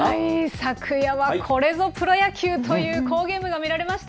昨夜はこれぞプロ野球という好ゲームが見られました。